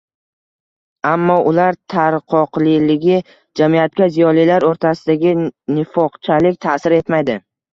Ammo ular tarqoqligi jamiyatga ziyolilar o‘rtasidagi nifoqchalik ta’sir etmaydi.